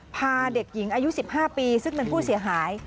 พาเด็กหญิงอายุ๑๕ปีซึ่งเป็นผู้เสียหาย